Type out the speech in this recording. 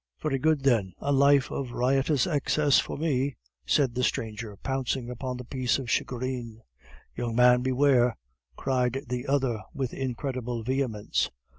"Very good then, a life of riotous excess for me!" said the stranger, pouncing upon the piece of shagreen. "Young man, beware!" cried the other with incredible vehemence.